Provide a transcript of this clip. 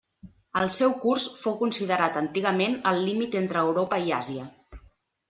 El seu curs fou considerat antigament el límit entre Europa i Àsia.